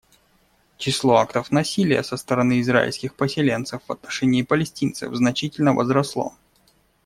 Число актов насилия со стороны израильских поселенцев в отношении палестинцев значительно возросло.